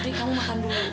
ri kamu makan dulu